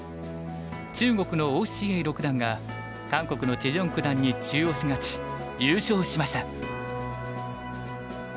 中国の於之瑩六段が韓国のチェ・ジョン九段に中押し勝ち優勝しました。